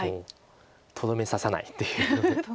とどめ刺さないという。